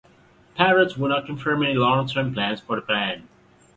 Barrett would not confirm any long-term plans for the band.